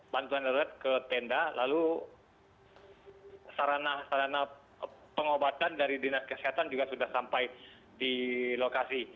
bantuan darurat ke tenda lalu sarana sarana pengobatan dari dinas kesehatan juga sudah sampai di lokasi